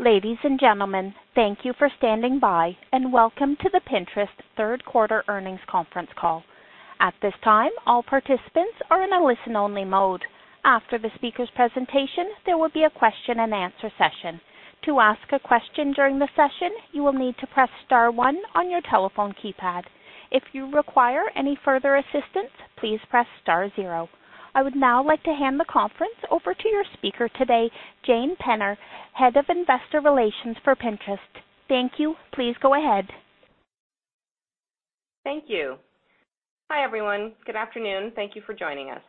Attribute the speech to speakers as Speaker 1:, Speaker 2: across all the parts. Speaker 1: Ladies and gentlemen, thank you for standing by, and welcome to the Pinterest third quarter earnings conference call. At this time, all participants are in a listen-only mode. After the speaker's presentation, there will be a question and answer session. To ask a question during the session, you will need to press star one on your telephone keypad. If you require any further assistance, please press star zero. I would now like to hand the conference over to your speaker today, Jane Penner, Head of Investor Relations for Pinterest. Thank you. Please go ahead.
Speaker 2: Thank you. Hi, everyone. Good afternoon. Thank you for joining us.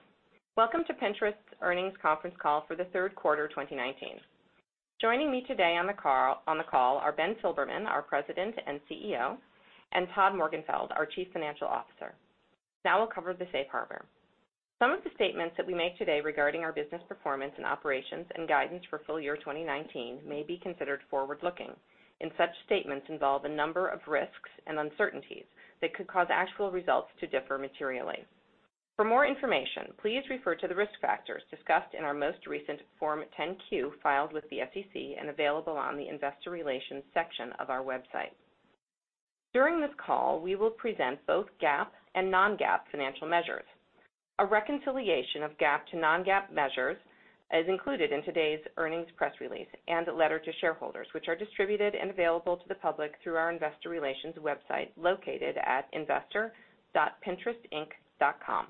Speaker 2: Welcome to Pinterest's earnings conference call for the third quarter 2019. Joining me today on the call are Ben Silbermann, our President and CEO, and Todd Morgenfeld, our Chief Financial Officer. We'll cover the safe harbor. Some of the statements that we make today regarding our business performance and operations and guidance for full year 2019 may be considered forward-looking, and such statements involve a number of risks and uncertainties that could cause actual results to differ materially. For more information, please refer to the risk factors discussed in our most recent Form 10-Q filed with the SEC and available on the investor relations section of our website. During this call, we will present both GAAP and non-GAAP financial measures. A reconciliation of GAAP to non-GAAP measures is included in today's earnings press release and letter to shareholders, which are distributed and available to the public through our investor relations website located at investor.pinterest.com.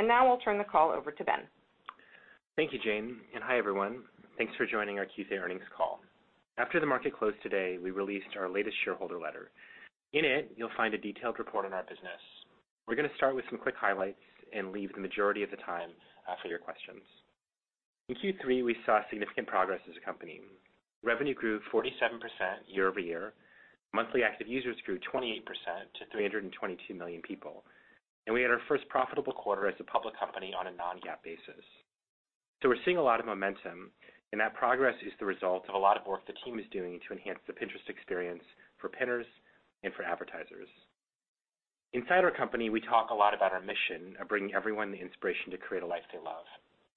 Speaker 2: Now I'll turn the call over to Ben.
Speaker 3: Thank you, Jane, and hi, everyone. Thanks for joining our Q3 earnings call. After the market closed today, we released our latest shareholder letter. In it, you'll find a detailed report on our business. We're going to start with some quick highlights and leave the majority of the time for your questions. In Q3, we saw significant progress as a company. Revenue grew 47% year-over-year. Monthly active users grew 28% to 322 million people. We had our first profitable quarter as a public company on a non-GAAP basis. We're seeing a lot of momentum, and that progress is the result of a lot of work the team is doing to enhance the Pinterest experience for Pinners and for advertisers. Inside our company, we talk a lot about our mission of bringing everyone the inspiration to create a life they love.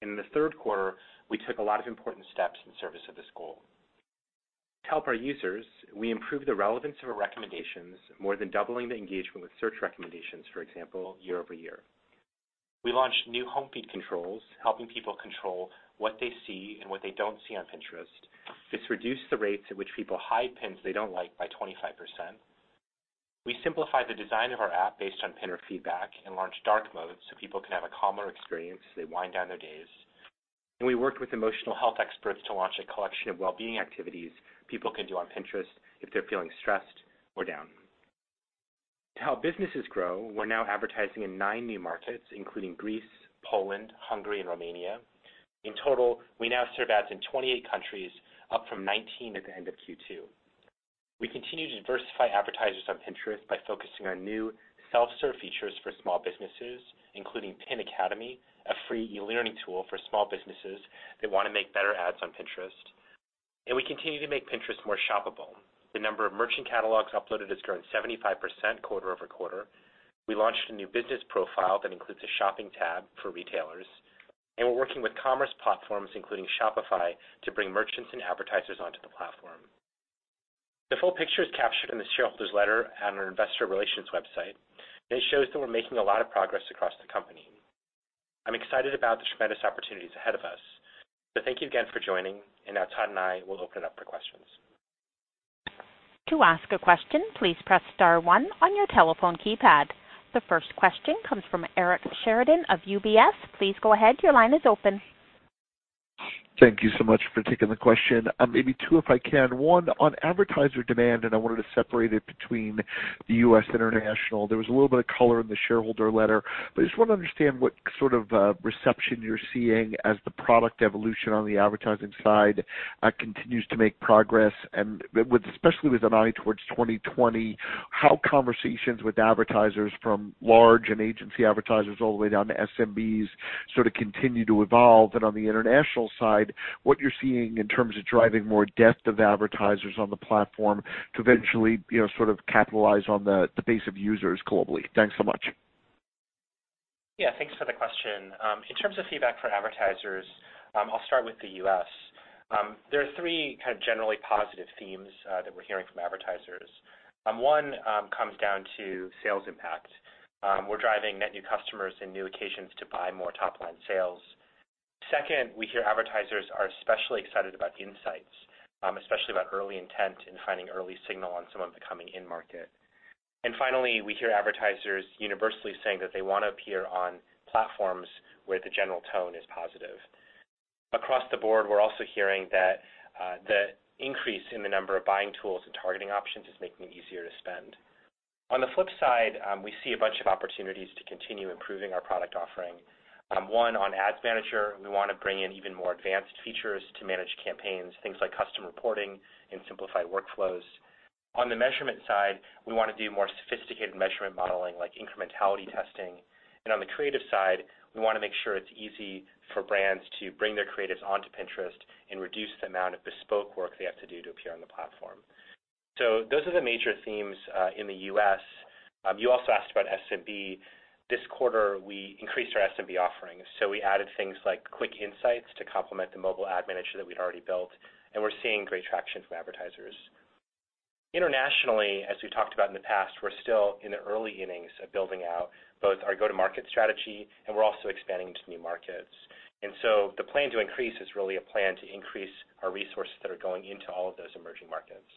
Speaker 3: In the third quarter, we took a lot of important steps in service of this goal. To help our users, we improved the relevance of our recommendations, more than doubling the engagement with search recommendations, for example, year-over-year. We launched new home feed controls, helping people control what they see and what they don't see on Pinterest. This reduced the rates at which people hide Pins they don't like by 25%. We simplified the design of our app based on Pinner feedback and launched dark mode so people can have a calmer experience as they wind down their days. We worked with emotional health experts to launch a collection of well-being activities people can do on Pinterest if they're feeling stressed or down. To help businesses grow, we're now advertising in nine new markets, including Greece, Poland, Hungary, and Romania. In total, we now serve ads in 28 countries, up from 19 at the end of Q2. We continue to diversify advertisers on Pinterest by focusing on new self-serve features for small businesses, including Pinterest Academy, a free e-learning tool for small businesses that want to make better ads on Pinterest. We continue to make Pinterest more shoppable. The number of merchant Catalogs uploaded has grown 75% quarter-over-quarter. We launched a new business profile that includes a shopping tab for retailers. We're working with commerce platforms, including Shopify, to bring merchants and advertisers onto the platform. The full picture is captured in the shareholders letter on our investor.pinterest.com. It shows that we're making a lot of progress across the company. I'm excited about the tremendous opportunities ahead of us. Thank you again for joining, and now Todd and I will open it up for questions.
Speaker 1: To ask a question, please press star one on your telephone keypad. The first question comes from Eric Sheridan of UBS. Please go ahead, your line is open.
Speaker 4: Thank you so much for taking the question. Maybe two, if I can. One on advertiser demand, and I wanted to separate it between the U.S. and international. There was a little bit of color in the shareholder letter, but I just want to understand what sort of reception you're seeing as the product evolution on the advertising side continues to make progress and with, especially with an eye towards 2020, how conversations with advertisers from large and agency advertisers all the way down to SMBs sort of continue to evolve. On the international side, what you're seeing in terms of driving more depth of advertisers on the platform to eventually sort of capitalize on the base of users globally. Thanks so much.
Speaker 3: Yeah, thanks for the question. In terms of feedback for advertisers, I'll start with the U.S. There are three kind of generally positive themes that we're hearing from advertisers. One comes down to sales impact. We're driving net new customers and new occasions to buy more top-line sales. Second, we hear advertisers are especially excited about insights, especially about early intent and finding early signal on someone becoming in market. Finally, we hear advertisers universally saying that they want to appear on platforms where the general tone is positive. Across the board, we're also hearing that the increase in the number of buying tools and targeting options is making it easier to spend. On the flip side, we see a bunch of opportunities to continue improving our product offering. On Ads Manager, we want to bring in even more advanced features to manage campaigns, things like custom reporting and simplified workflows. On the measurement side, we want to do more sophisticated measurement modeling like incrementality testing. On the creative side, we want to make sure it's easy for brands to bring their creatives onto Pinterest and reduce the amount of bespoke work they have to do to appear on the platform. Those are the major themes in the U.S. You also asked about SMB. This quarter, we increased our SMB offerings. We added things like quick insights to complement the Mobile Ad Tools that we'd already built, and we're seeing great traction from advertisers. Internationally, as we've talked about in the past, we're still in the early innings of building out both our go-to-market strategy, and we're also expanding into new markets. The plan to increase is really a plan to increase our resources that are going into all of those emerging markets.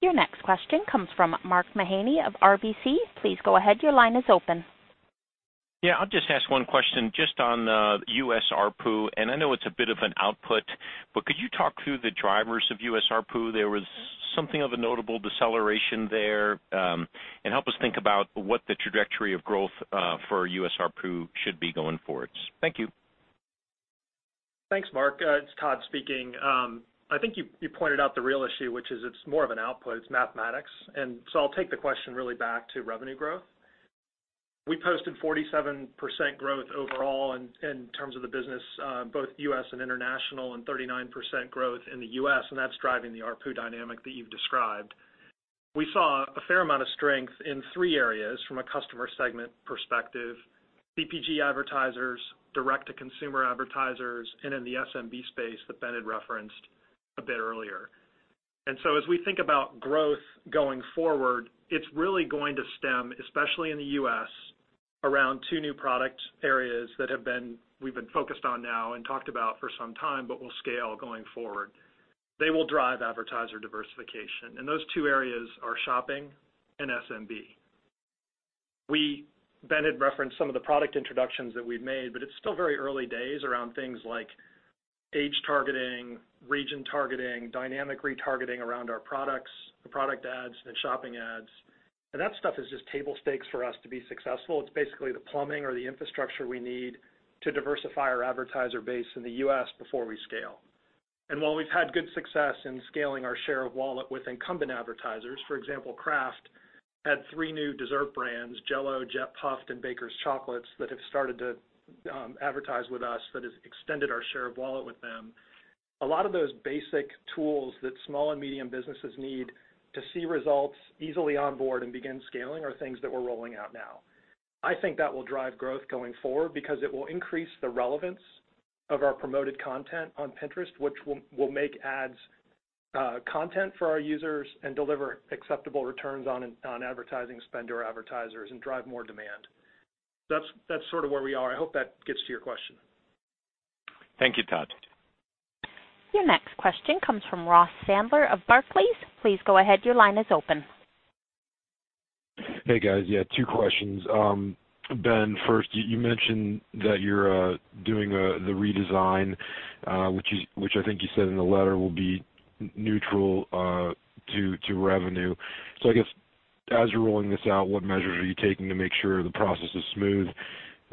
Speaker 1: Your next question comes from Mark Mahaney of RBC. Please go ahead. Your line is open.
Speaker 5: Yeah, I'll just ask one question just on the U.S. ARPU, and I know it's a bit of an output, but could you talk through the drivers of U.S. ARPU? There was something of a notable deceleration there. Help us think about what the trajectory of growth for U.S. ARPU should be going forward. Thank you.
Speaker 6: Thanks, Mark. It's Todd speaking. I think you pointed out the real issue, which is it's more of an output. It's mathematics. I'll take the question really back to revenue growth. We posted 47% growth overall in terms of the business, both U.S. and international, and 39% growth in the U.S., and that's driving the ARPU dynamic that you've described. We saw a fair amount of strength in three areas from a customer segment perspective: CPG advertisers, direct-to-consumer advertisers, and in the SMB space that Ben had referenced a bit earlier. As we think about growth going forward, it's really going to stem, especially in the U.S., around two new product areas that we've been focused on now and talked about for some time, but will scale going forward. They will drive advertiser diversification, and those two areas are shopping and SMB. Ben had referenced some of the product introductions that we've made, but it's still very early days around things like age targeting, region targeting, dynamic retargeting around our products, the product ads, and shopping ads. That stuff is just table stakes for us to be successful. It's basically the plumbing or the infrastructure we need to diversify our advertiser base in the U.S. before we scale. While we've had good success in scaling our share of wallet with incumbent advertisers, for example, Kraft had three new dessert brands, JELL-O, Jet-Puffed, and Baker's Chocolate, that have started to advertise with us that has extended our share of wallet with them. A lot of those basic tools that small and medium businesses need to see results easily onboard and begin scaling are things that we're rolling out now. I think that will drive growth going forward because it will increase the relevance of our promoted content on Pinterest, which will make ads content for our users and deliver acceptable returns on advertising spend to our advertisers and drive more demand. That's sort of where we are. I hope that gets to your question.
Speaker 5: Thank you, Todd.
Speaker 1: Your next question comes from Ross Sandler of Barclays. Please go ahead. Your line is open.
Speaker 7: Hey, guys. 2 questions. Ben, first, you mentioned that you're doing the redesign which I think you said in the letter will be neutral to revenue. I guess as you're rolling this out, what measures are you taking to make sure the process is smooth?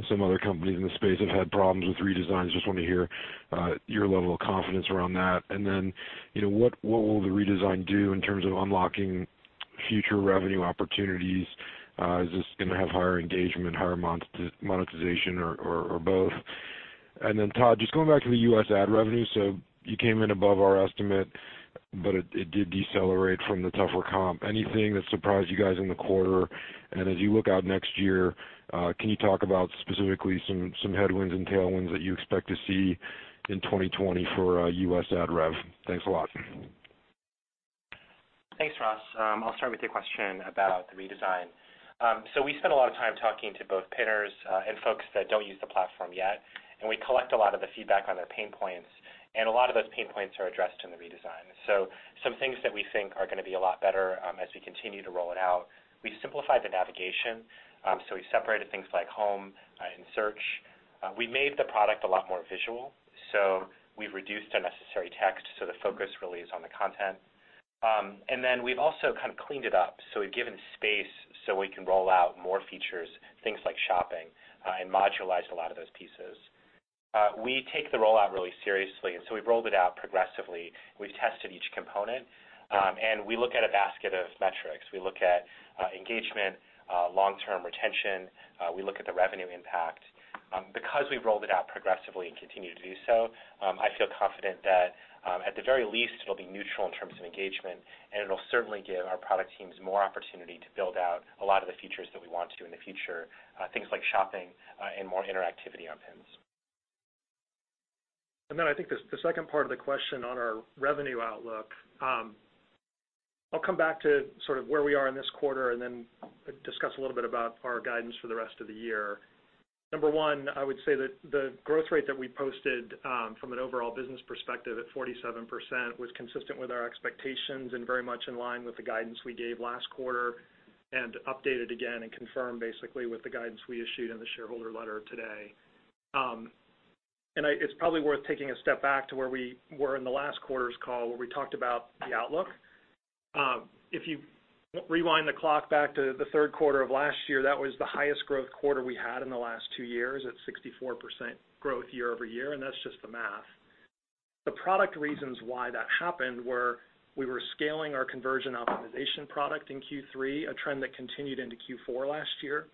Speaker 7: Some other companies in the space have had problems with redesigns. Just want to hear your level of confidence around that. What will the redesign do in terms of unlocking future revenue opportunities? Is this going to have higher engagement, higher monetization, or both? Todd, just going back to the U.S. ad revenue. You came in above our estimate, but it did decelerate from the tougher comp. Anything that surprised you guys in the quarter? As you look out next year, can you talk about specifically some headwinds and tailwinds that you expect to see in 2020 for U.S. ad rev? Thanks a lot.
Speaker 3: Thanks, Ross. I'll start with your question about the redesign. We spent a lot of time talking to both Pinners and folks that don't use the platform yet, and we collect a lot of the feedback on their pain points, and a lot of those pain points are addressed in the redesign. Some things that we think are going to be a lot better as we continue to roll it out. We simplified the navigation. We separated things like home and search. We made the product a lot more visual. We've reduced unnecessary text, so the focus really is on the content. We've also kind of cleaned it up. We've given space so we can roll out more features, things like shopping, and modularized a lot of those pieces. We take the rollout really seriously, and so we've rolled it out progressively. We've tested each component. We look at a basket of metrics. We look at engagement, long-term retention. We look at the revenue impact. Because we've rolled it out progressively and continue to do so, I feel confident that at the very least, it'll be neutral in terms of engagement, and it'll certainly give our product teams more opportunity to build out a lot of the features that we want to in the future. Things like shopping and more interactivity on Pins.
Speaker 6: Then I think the second part of the question on our revenue outlook. I'll come back to sort of where we are in this quarter and then discuss a little bit about our guidance for the rest of the year. Number one, I would say that the growth rate that we posted from an overall business perspective at 47% was consistent with our expectations and very much in line with the guidance we gave last quarter and updated again and confirmed basically with the guidance we issued in the shareholder letter today. It's probably worth taking a step back to where we were in the last quarter's call where we talked about the outlook. If you rewind the clock back to the third quarter of last year, that was the highest growth quarter we had in the last two years at 64% growth year-over-year. That's just the math. The product reasons why that happened were we were scaling our conversion optimization product in Q3, a trend that continued into Q4 last year.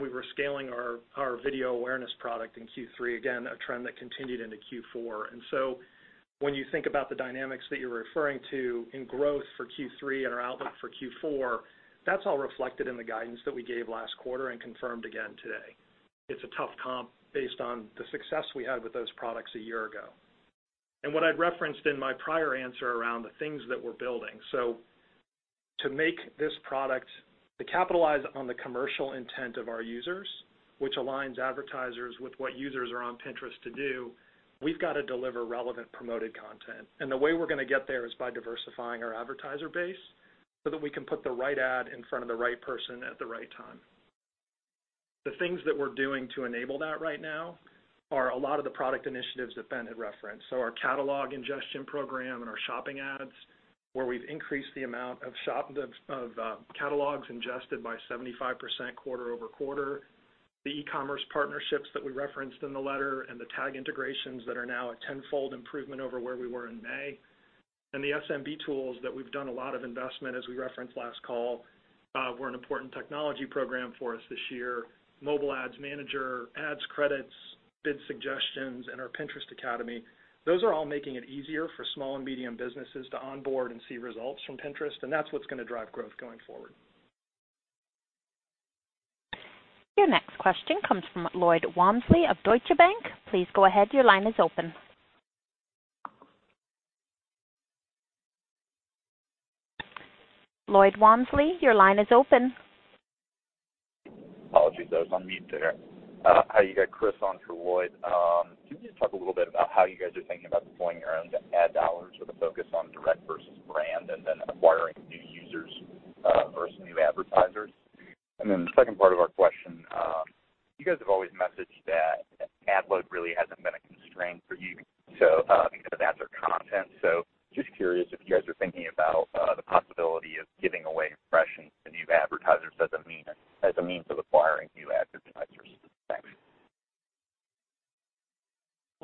Speaker 6: We were scaling our video awareness product in Q3 again, a trend that continued into Q4. When you think about the dynamics that you're referring to in growth for Q3 and our outlook for Q4, that's all reflected in the guidance that we gave last quarter and confirmed again today. It's a tough comp based on the success we had with those products a year ago. What I'd referenced in my prior answer around the things that we're building. To make this product, to capitalize on the commercial intent of our users, which aligns advertisers with what users are on Pinterest to do, we've got to deliver relevant promoted content. The way we're going to get there is by diversifying our advertiser base so that we can put the right ad in front of the right person at the right time. The things that we're doing to enable that right now are a lot of the product initiatives that Ben had referenced. Our catalog ingestion program and our shopping ads, where we've increased the amount of catalogs ingested by 75% quarter-over-quarter. The e-commerce partnerships that we referenced in the letter and the tag integrations that are now a tenfold improvement over where we were in May. The SMB tools that we've done a lot of investment, as we referenced last call, were an important technology program for us this year. Mobile Ad Tools, ads credits, bid suggestions, and our Pinterest Academy. Those are all making it easier for small and medium businesses to onboard and see results from Pinterest, and that's what's going to drive growth going forward.
Speaker 1: Your next question comes from Lloyd Walmsley of Deutsche Bank. Please go ahead. Your line is open. Lloyd Walmsley, your line is open.
Speaker 8: Apologies, I was on mute there. Hi, you got Chris on for Lloyd. Can you just talk a little bit about how you guys are thinking about deploying your own ad dollars with a focus on direct versus brand and then acquiring new users versus new advertisers? The second part of our question, you guys have always messaged that ad load really hasn't been a constraint for you because of ads or content. Just curious if you guys are thinking about the possibility of giving away impressions to new advertisers as a means of acquiring new advertisers. Thanks.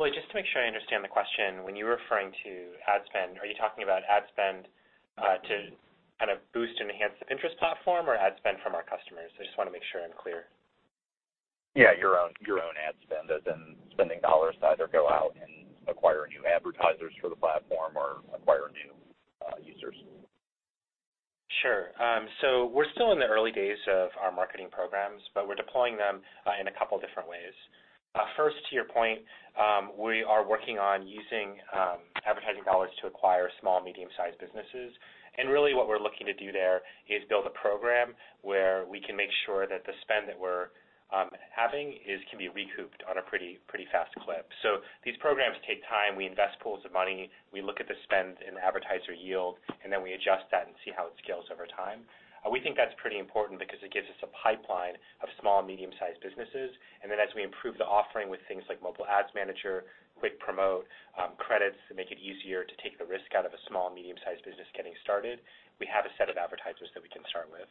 Speaker 3: Lloyd, just to make sure I understand the question, when you were referring to ad spend, are you talking about ad spend to kind of boost and enhance the Pinterest platform or ad spend from our customers? I just want to make sure I'm clear.
Speaker 8: Yeah, your own ad spend, as in spending dollars to either go out and acquire new advertisers for the platform or acquire new users.
Speaker 3: Sure. We're still in the early days of our marketing programs, but we're deploying them in a couple different ways. First, to your point, we are working on using advertising dollars to acquire small, medium-sized businesses. Really what we're looking to do there is build a program where we can make sure that the spend that we're having can be recouped on a pretty fast clip. These programs take time. We invest pools of money. We look at the spend and advertiser yield, and then we adjust that and see how it scales over time. We think that's pretty important because it gives us a pipeline of small and medium-sized businesses. As we improve the offering with things like Mobile Ad Tools, Quick Promote, credits that make it easier to take the risk out of a small and medium-sized business getting started, we have a set of advertisers that we can start with.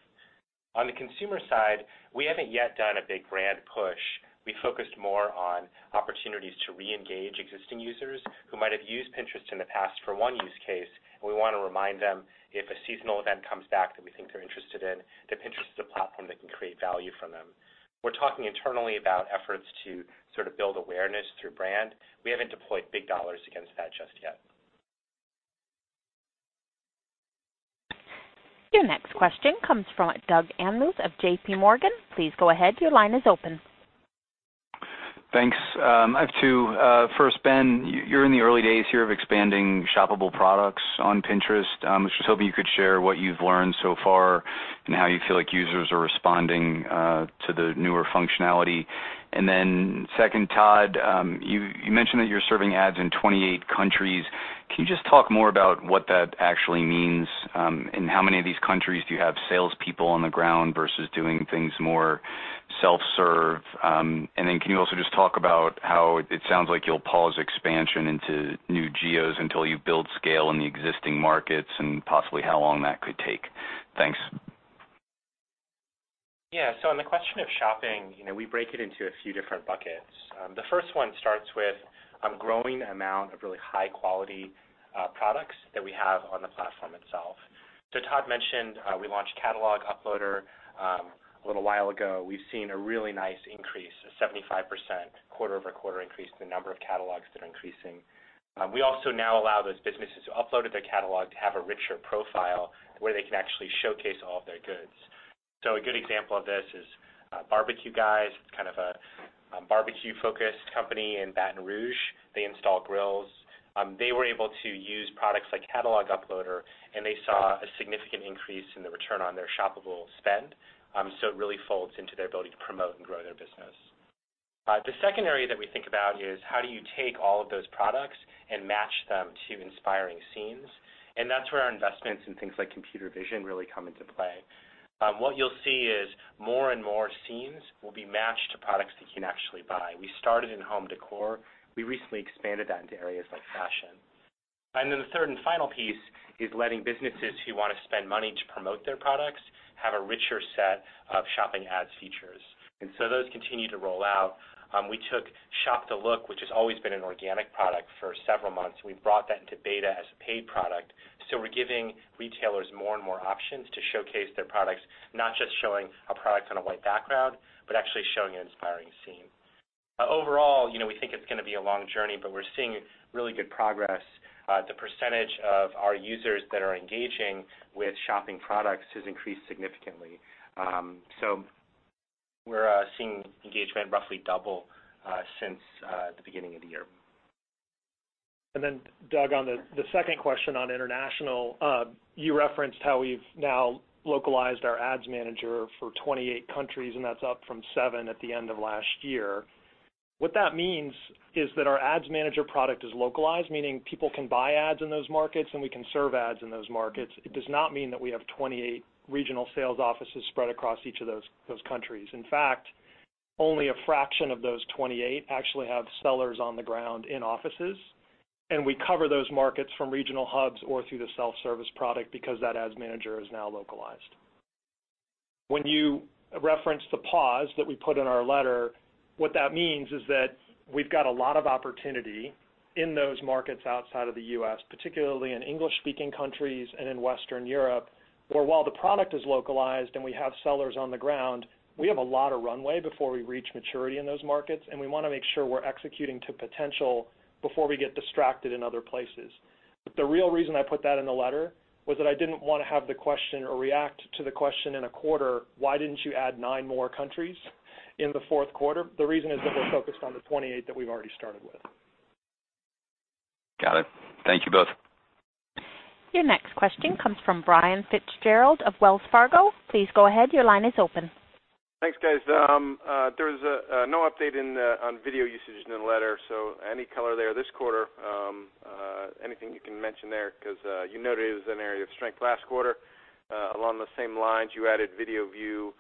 Speaker 3: On the consumer side, we haven't yet done a big brand push. We focused more on opportunities to reengage existing users who might have used Pinterest in the past for one use case. We want to remind them if a seasonal event comes back that we think they're interested in, that Pinterest is a platform that can create value for them. We're talking internally about efforts to build awareness through brand. We haven't deployed big dollars against that just yet.
Speaker 1: Your next question comes from Doug Anmuth of J.P. Morgan. Please go ahead. Your line is open.
Speaker 9: Thanks. I have two. First, Ben, you're in the early days here of expanding shoppable products on Pinterest. I was just hoping you could share what you've learned so far and how you feel like users are responding to the newer functionality. Second, Todd, you mentioned that you're serving ads in 28 countries. Can you just talk more about what that actually means? How many of these countries do you have salespeople on the ground versus doing things more self-serve? Can you also just talk about how it sounds like you'll pause expansion into new geos until you build scale in the existing markets and possibly how long that could take? Thanks.
Speaker 3: Yeah. On the question of shopping, we break it into a few different buckets. The first one starts with a growing amount of really high-quality products that we have on the platform itself. Todd mentioned we launched catalog uploader a little while ago. We've seen a really nice increase, a 75% quarter-over-quarter increase in the number of Catalogs that are increasing. We also now allow those businesses who uploaded their Catalogue to have a richer profile where they can actually showcase all of their goods. A good example of this is BBQGuys, kind of a barbecue-focused company in Baton Rouge. They install grills. They were able to use products like catalog uploader, and they saw a significant increase in the return on their shoppable spend. It really folds into their ability to promote and grow their business. The second area that we think about is how do you take all of those products and match them to inspiring scenes? That's where our investments in things like computer vision really come into play. What you'll see is more and more scenes will be matched to products that you can actually buy. We started in home decor. We recently expanded that into areas like fashion. Then the third and final piece is letting businesses who want to spend money to promote their products have a richer set of shopping ads features. So those continue to roll out. We took Shop the Look, which has always been an organic product for several months. We've brought that into beta as a paid product. We're giving retailers more and more options to showcase their products, not just showing a product on a white background, but actually showing an inspiring scene. Overall, we think it's going to be a long journey, but we're seeing really good progress. The percentage of our users that are engaging with shopping products has increased significantly. We're seeing engagement roughly double since the beginning of the year.
Speaker 6: Doug, on the second question on international, you referenced how we've now localized our Ads Manager for 28 countries, and that's up from 7 at the end of last year. What that means is that our Ads Manager product is localized, meaning people can buy ads in those markets, and we can serve ads in those markets. It does not mean that we have 28 regional sales offices spread across each of those countries. In fact, only a fraction of those 28 actually have sellers on the ground in offices, and we cover those markets from regional hubs or through the self-service product because that Ads Manager is now localized. When you reference the pause that we put in our letter, what that means is that we've got a lot of opportunity in those markets outside of the U.S., particularly in English-speaking countries and in Western Europe, where while the product is localized and we have sellers on the ground, we have a lot of runway before we reach maturity in those markets, and we want to make sure we're executing to potential before we get distracted in other places. The real reason I put that in the letter was that I didn't want to have the question or react to the question in a quarter, why didn't you add nine more countries in the fourth quarter? The reason is that we're focused on the 28 that we've already started with.
Speaker 9: Got it. Thank you both.
Speaker 1: Your next question comes from Brian Fitzgerald of Wells Fargo. Please go ahead. Your line is open.
Speaker 10: Thanks, guys. There was no update on video usage in the letter, so any color there this quarter, anything you can mention there, because you noted it was an area of strength last quarter. Along the same lines, you added video view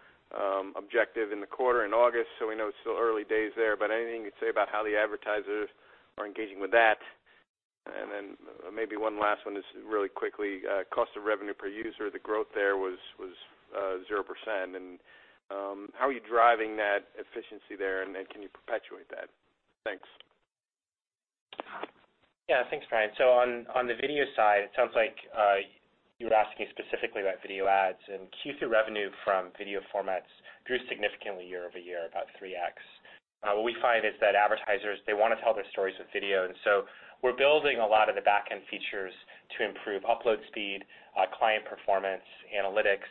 Speaker 10: objective in the quarter in August. We know it's still early days there, but anything you'd say about how the advertisers are engaging with that? Maybe one last one just really quickly. Cost of revenue per user, the growth there was 0%. How are you driving that efficiency there, and can you perpetuate that? Thanks.
Speaker 3: Yeah. Thanks, Brian. On the video side, it sounds like you were asking specifically about video ads, and Q2 revenue from video formats grew significantly year-over-year, about 3X. What we find is that advertisers, they want to tell their stories with video, and so we're building a lot of the back-end features to improve upload speed, client performance, analytics.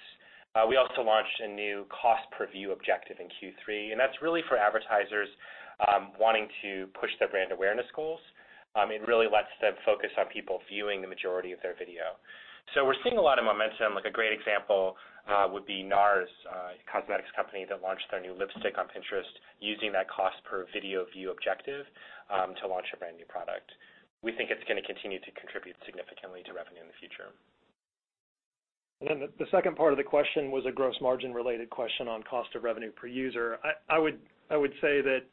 Speaker 3: We also launched a new cost per video view objective in Q3, and that's really for advertisers wanting to push their brand awareness goals. It really lets them focus on people viewing the majority of their video. We're seeing a lot of momentum. A great example would be NARS Cosmetics company that launched their new lipstick on Pinterest using that cost per video view objective to launch a brand-new product. We think it's going to continue to contribute significantly to revenue in the future.
Speaker 6: The second part of the question was a gross margin-related question on cost of revenue per user. I would say that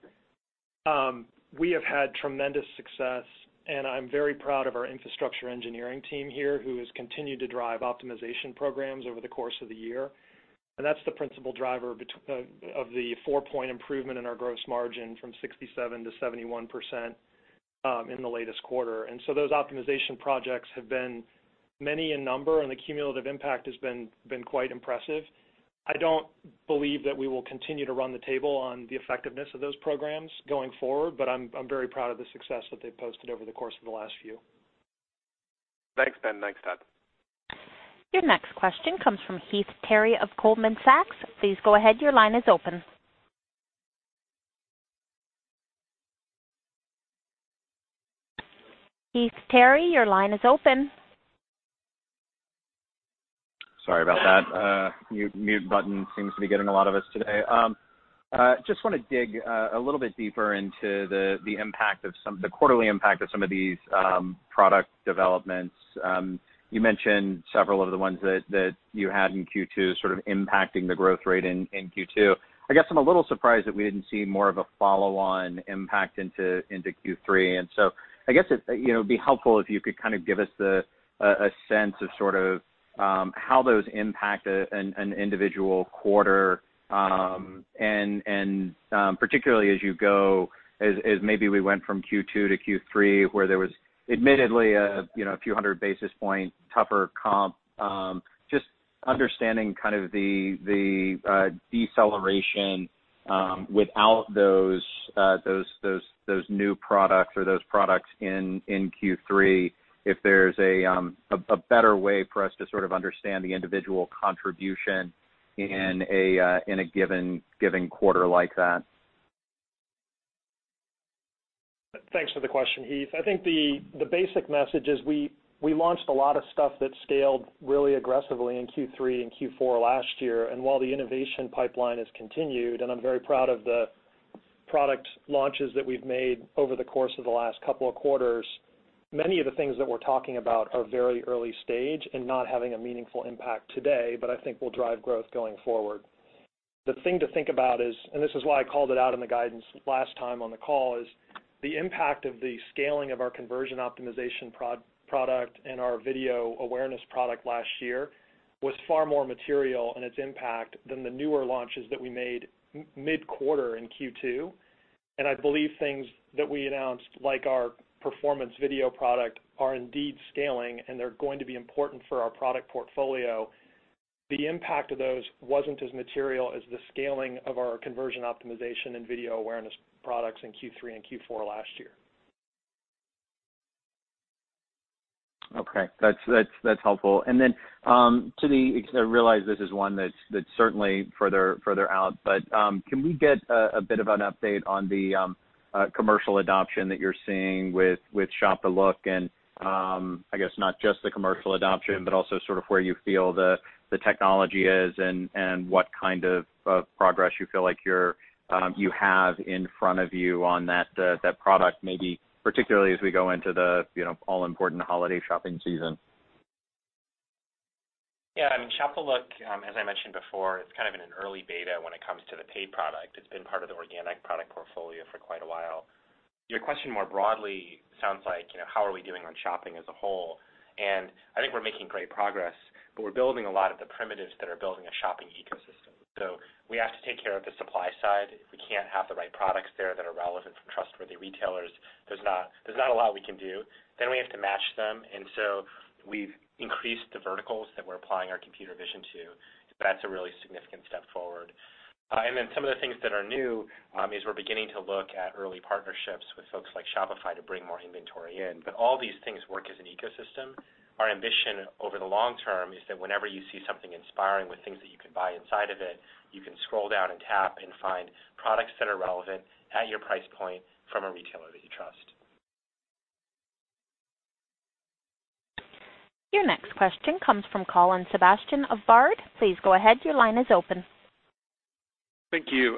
Speaker 6: we have had tremendous success, and I'm very proud of our infrastructure engineering team here, who has continued to drive optimization programs over the course of the year. That's the principal driver of the four-point improvement in our gross margin from 67%-71% in the latest quarter. Those optimization projects have been many in number, and the cumulative impact has been quite impressive. I don't believe that we will continue to run the table on the effectiveness of those programs going forward, but I'm very proud of the success that they've posted over the course of the last few.
Speaker 10: Thanks, Ben. Thanks, Doug.
Speaker 1: Your next question comes from Heath Terry of Goldman Sachs. Please go ahead. Your line is open. Heath Terry, your line is open.
Speaker 11: Sorry about that. Mute button seems to be getting a lot of us today. Just want to dig a little bit deeper into the quarterly impact of some of these product developments. You mentioned several of the ones that you had in Q2 sort of impacting the growth rate in Q2. I guess I'm a little surprised that we didn't see more of a follow-on impact into Q3. I guess it'd be helpful if you could kind of give us a sense of sort of how those impact an individual quarter, and particularly as you go as maybe we went from Q2 to Q3 where there was admittedly a few hundred basis points tougher comp. Just understanding kind of the deceleration without those new products or those products in Q3, if there's a better way for us to sort of understand the individual contribution in a given quarter like that.
Speaker 6: Thanks for the question, Heath. I think the basic message is we launched a lot of stuff that scaled really aggressively in Q3 and Q4 last year. While the innovation pipeline has continued, and I'm very proud of the product launches that we've made over the course of the last couple of quarters, many of the things that we're talking about are very early-stage and not having a meaningful impact today, but I think will drive growth going forward. The thing to think about is, and this is why I called it out in the guidance last time on the call, is the impact of the scaling of our conversion optimization product and our video awareness product last year was far more material in its impact than the newer launches that we made mid-quarter in Q2. I believe things that we announced, like our performance video product, are indeed scaling, and they're going to be important for our product portfolio. The impact of those wasn't as material as the scaling of our conversion optimization and video awareness products in Q3 and Q4 last year.
Speaker 11: Okay. That's helpful. Because I realize this is one that's certainly further out, but can we get a bit of an update on the commercial adoption that you're seeing with Shop the Look and I guess not just the commercial adoption, but also sort of where you feel the technology is and what kind of progress you feel like you have in front of you on that product, maybe particularly as we go into the all-important holiday shopping season.
Speaker 3: Shop the Look, as I mentioned before, it's kind of in an early beta when it comes to the paid product. It's been part of the organic product portfolio for quite a while. Your question more broadly sounds like, how are we doing on shopping as a whole? I think we're making great progress, but we're building a lot of the primitives that are building a shopping ecosystem. We have to take care of the supply side. If we can't have the right products there that are relevant from trustworthy retailers, there's not a lot we can do. We have to match them, we've increased the verticals that we're applying our computer vision to. That's a really significant step forward. Some of the things that are new, is we're beginning to look at early partnerships with folks like Shopify to bring more inventory in. All these things work as an ecosystem. Our ambition over the long term is that whenever you see something inspiring with things that you can buy inside of it, you can scroll down and tap and find products that are relevant at your price point from a retailer that you trust.
Speaker 1: Your next question comes from Colin Sebastian of Baird. Please go ahead. Your line is open.
Speaker 12: Thank you.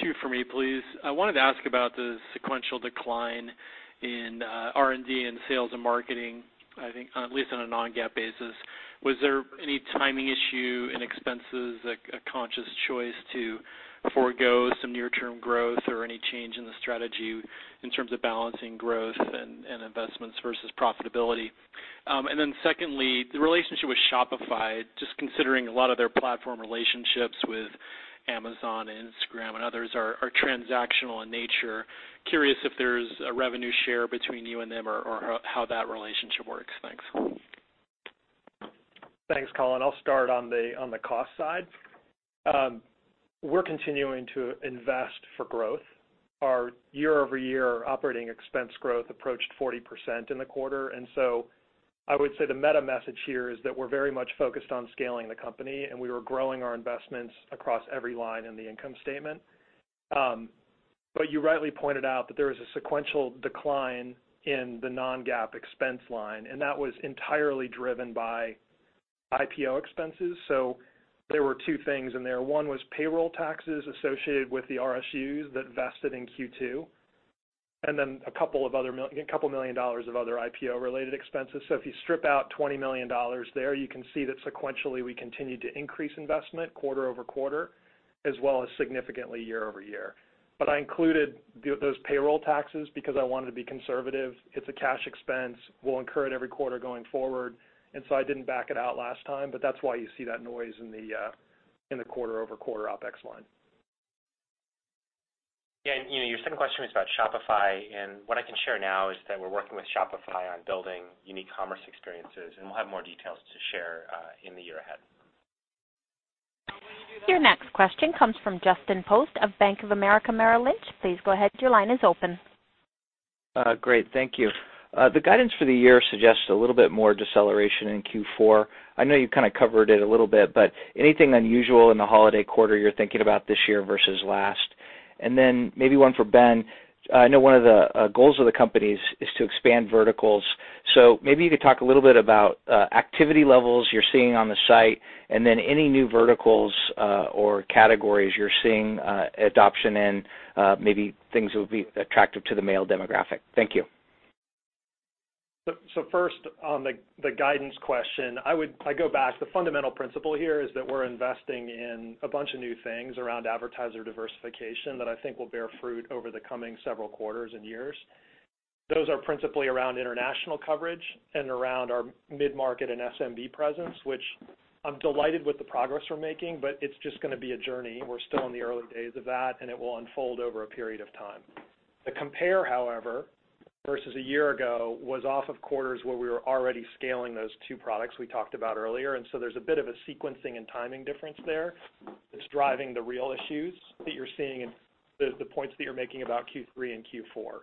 Speaker 12: Two for me, please. I wanted to ask about the sequential decline in R&D and sales and marketing, I think at least on a non-GAAP basis. Was there any timing issue in expenses, a conscious choice to forego some near-term growth or any change in the strategy in terms of balancing growth and investments versus profitability? Secondly, the relationship with Shopify, just considering a lot of their platform relationships with Amazon, Instagram, and others are transactional in nature. Curious if there's a revenue share between you and them or how that relationship works. Thanks.
Speaker 6: Thanks, Colin. I'll start on the cost side. We're continuing to invest for growth. Our year-over-year operating expense growth approached 40% in the quarter. I would say the meta message here is that we're very much focused on scaling the company, and we were growing our investments across every line in the income statement. You rightly pointed out that there is a sequential decline in the non-GAAP expense line, and that was entirely driven by IPO expenses. There were two things in there. One was payroll taxes associated with the RSUs that vested in Q2, and then a couple million USD of other IPO-related expenses. If you strip out $20 million there, you can see that sequentially, we continued to increase investment quarter-over-quarter, as well as significantly year-over-year. I included those payroll taxes because I wanted to be conservative. It's a cash expense we'll incur it every quarter going forward, and so I didn't back it out last time, but that's why you see that noise in the quarter-over-quarter OpEx line.
Speaker 3: Yeah, your second question was about Shopify, and what I can share now is that we're working with Shopify on building unique commerce experiences, and we'll have more details to share in the year ahead.
Speaker 1: Your next question comes from Justin Post of Bank of America Merrill Lynch. Please go ahead. Your line is open.
Speaker 13: Great. Thank you. The guidance for the year suggests a little bit more deceleration in Q4. I know you kind of covered it a little bit, anything unusual in the holiday quarter you're thinking about this year versus last? Maybe one for Ben. I know one of the goals of the company is to expand verticals. Maybe you could talk a little bit about activity levels you're seeing on the site, and then any new verticals or categories you're seeing adoption in, maybe things that would be attractive to the male demographic. Thank you.
Speaker 6: First on the guidance question. I go back. The fundamental principle here is that we're investing in a bunch of new things around advertiser diversification that I think will bear fruit over the coming several quarters and years. Those are principally around international coverage and around our mid-market and SMB presence, which I'm delighted with the progress we're making, but it's just going to be a journey. We're still in the early days of that, and it will unfold over a period of time. The compare, however, versus a year ago, was off of quarters where we were already scaling those two products we talked about earlier, and so there's a bit of a sequencing and timing difference there that's driving the real issues that you're seeing in the points that you're making about Q3 and Q4.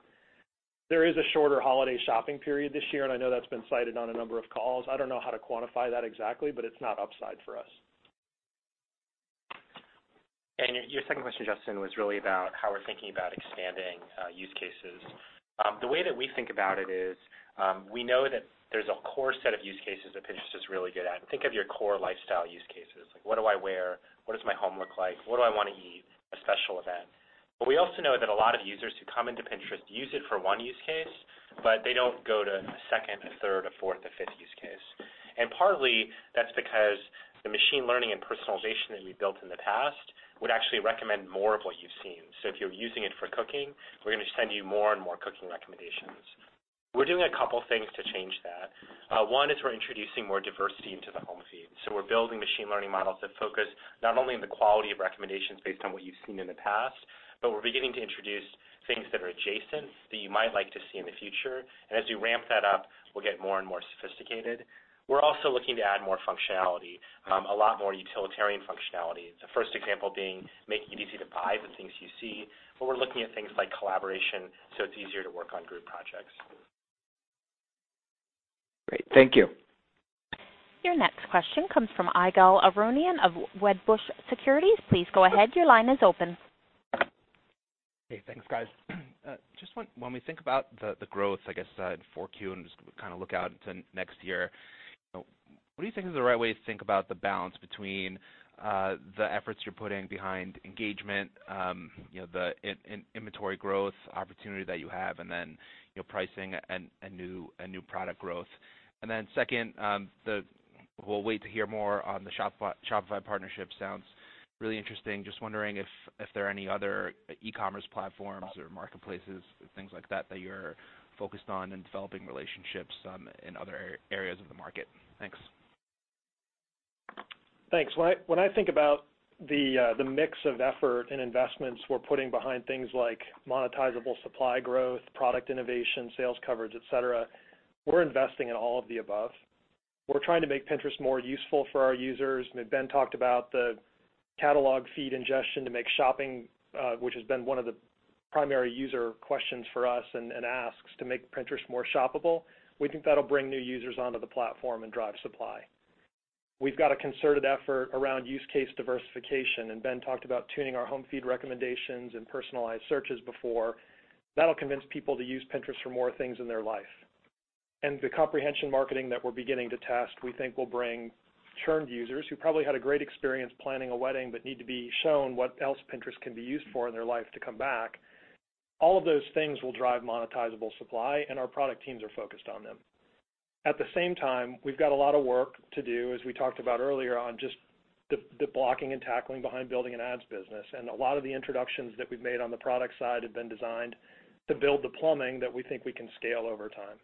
Speaker 6: There is a shorter holiday shopping period this year. I know that's been cited on a number of calls. I don't know how to quantify that exactly. It's not upside for us.
Speaker 3: Your second question, Justin, was really about how we're thinking about expanding use cases. The way that we think about it is, we know that there's a core set of use cases that Pinterest is really good at. Think of your core lifestyle use cases, like what do I wear? What does my home look like? What do I want to eat? A special event. We also know that a lot of users who come into Pinterest use it for one use case, but they don't go to a second, a third, a fourth, a fifth use case. Partly that's because the machine learning and personalization that we've built in the past would actually recommend more of what you've seen. If you're using it for cooking, we're going to send you more and more cooking recommendations. We're doing a couple things to change that. One is we're introducing more diversity into the home feed. We're building machine learning models that focus not only on the quality of recommendations based on what you've seen in the past, but we're beginning to introduce things that are adjacent that you might like to see in the future. As we ramp that up. More and more sophisticated. We're also looking to add more functionality, a lot more utilitarian functionality. The first example being making it easy to buy the things you see, but we're looking at things like collaboration so it's easier to work on group projects.
Speaker 13: Great. Thank you.
Speaker 1: Your next question comes from Ygal Arounian of Wedbush Securities. Please go ahead. Your line is open.
Speaker 14: Hey, thanks guys. Just when we think about the growth, I guess, in 4Q and just kind of look out into next year, what do you think is the right way to think about the balance between the efforts you're putting behind engagement, the inventory growth opportunity that you have, and then your pricing and new product growth? Second, we'll wait to hear more on the Shopify partnership. Sounds really interesting. Just wondering if there are any other e-commerce platforms or marketplaces, things like that you're focused on in developing relationships in other areas of the market. Thanks.
Speaker 6: Thanks. When I think about the mix of effort and investments we're putting behind things like monetizable supply growth, product innovation, sales coverage, et cetera, we're investing in all of the above. We're trying to make Pinterest more useful for our users. Ben talked about the catalog feed ingestion to make shopping, which has been one of the primary user questions for us and asks to make Pinterest more shoppable. We think that'll bring new users onto the platform and drive supply. Ben talked about tuning our home feed recommendations and personalized searches before. That'll convince people to use Pinterest for more things in their life. The comprehension marketing that we're beginning to test, we think will bring churned users who probably had a great experience planning a wedding but need to be shown what else Pinterest can be used for in their life to come back. All of those things will drive monetizable supply, and our product teams are focused on them. At the same time, we've got a lot of work to do, as we talked about earlier, on just the blocking and tackling behind building an ads business. A lot of the introductions that we've made on the product side have been designed to build the plumbing that we think we can scale over time.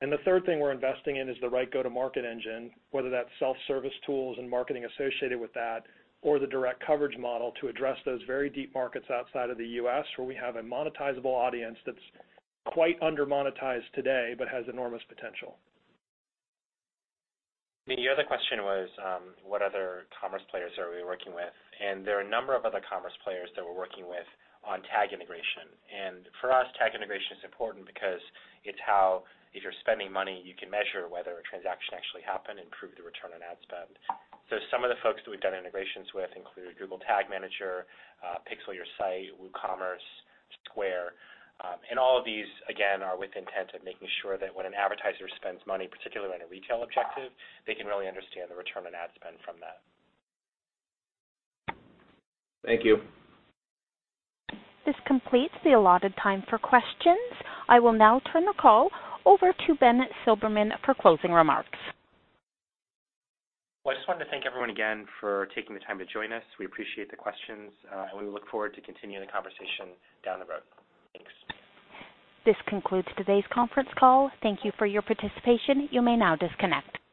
Speaker 6: The third thing we're investing in is the right go-to-market engine, whether that's self-service tools and marketing associated with that or the direct coverage model to address those very deep markets outside of the U.S., where we have a monetizable audience that's quite under-monetized today but has enormous potential.
Speaker 3: The other question was, what other commerce players are we working with? There are a number of other commerce players that we're working with on tag integration. For us, tag integration is important because it's how, if you're spending money, you can measure whether a transaction actually happened and prove the return on ad spend. Some of the folks that we've done integrations with include Google Tag Manager, PixelYourSite, WooCommerce, Square. All of these, again, are with intent of making sure that when an advertiser spends money, particularly on a retail objective, they can really understand the return on ad spend from that.
Speaker 14: Thank you.
Speaker 1: This completes the allotted time for questions. I will now turn the call over to Ben Silbermann for closing remarks.
Speaker 3: Well, I just wanted to thank everyone again for taking the time to join us. We appreciate the questions. We look forward to continuing the conversation down the road. Thanks.
Speaker 1: This concludes today's conference call. Thank you for your participation. You may now disconnect.